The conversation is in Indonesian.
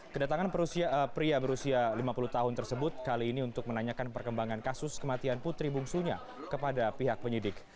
kedatangan pria berusia lima puluh tahun tersebut kali ini untuk menanyakan perkembangan kasus kematian putri bungsunya kepada pihak penyidik